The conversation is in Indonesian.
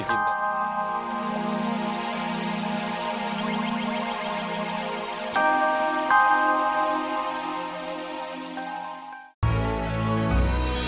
mas ini ibu bikin